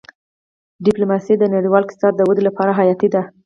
ډيپلوماسي د نړیوال اقتصاد د ودې لپاره حیاتي ده.